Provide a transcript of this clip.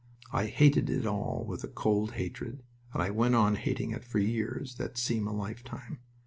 I hated it all with a cold hatred; and I went on hating it for years that seem a lifetime.